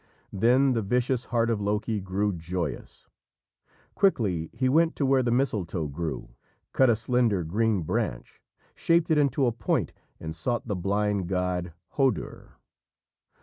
Then the vicious heart of Loki grew joyous. Quickly he went to where the mistletoe grew, cut a slender green branch, shaped it into a point, and sought the blind god Hodur.